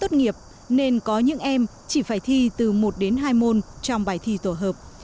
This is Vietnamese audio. tốt nghiệp nên có những em chỉ phải thi từ một đến hai môn trong bài thi tổ hợp